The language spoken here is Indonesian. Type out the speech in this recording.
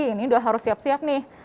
ini udah harus siap siap nih